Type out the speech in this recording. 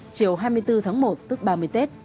chiều hai mươi bốn tháng một tức ba mươi tết